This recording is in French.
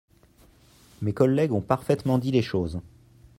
Mes collègues ont parfaitement dit les choses.